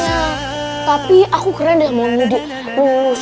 siapa g gratitude wang jatuh